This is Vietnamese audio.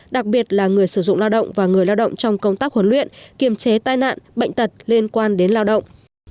đặc biệt là người sử dụng lao động và người lao động trong công tác huấn luyện kiềm chế tai nạn bệnh tật liên quan đến lao động